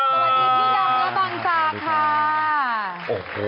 สวัสดีที่ดาบเมืองศาสตร์ค่ะ